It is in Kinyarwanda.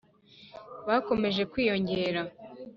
bakomeje kwiyongera